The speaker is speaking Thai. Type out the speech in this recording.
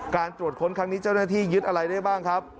การตรวจค้นครั้งนี้เจ้าหน้าที่ยึดอะไรได้บ้างครับ